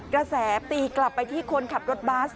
กระแสตีกลับไปที่คนขับรถบัส